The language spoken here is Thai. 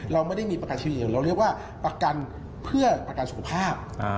เราไม่ได้มีประกันเฉลี่ยเราเรียกว่าประกันเพื่อประกันสุขภาพ